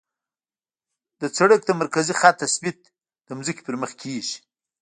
د سړک د مرکزي خط تثبیت د ځمکې پر مخ کیږي